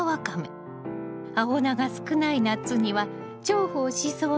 青菜が少ない夏には重宝しそうね。